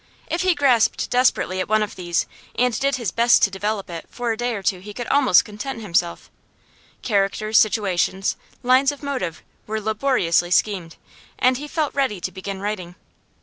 If he grasped desperately at one of these, and did his best to develop it, for a day or two he could almost content himself; characters, situations, lines of motive, were laboriously schemed, and he felt ready to begin writing.